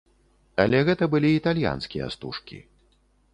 Але гэта былі італьянскія стужкі.